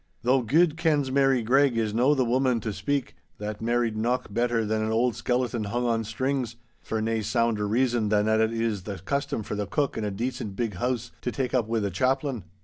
Though guid kens Mary Greg is no the woman to speak, that mairried nocht better than an auld skeleton hung on strings—for nae sounder reason than that it is the custom for the cook in a decent big hoose to tak' up wi' the chaplain.